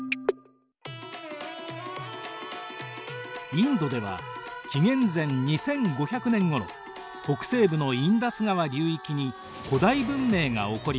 インドでは紀元前２５００年ごろ北西部のインダス川流域に古代文明が起こりました。